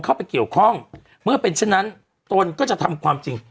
เข้าไปเกี่ยวข้องเมื่อเป็นเช่นนั้นตนก็จะทำความจริง